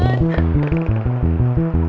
terima kasih ya pak